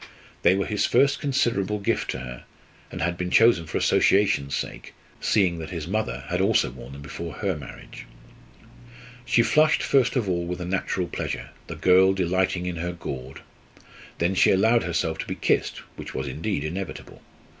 They were his first considerable gift to her, and had been chosen for association's sake, seeing that his mother had also worn them before her marriage. She flushed first of all with a natural pleasure, the girl delighting in her gaud. Then she allowed herself to be kissed, which was, indeed, inevitable.